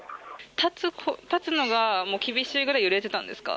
立つのが厳しいくらい揺れてたんですか？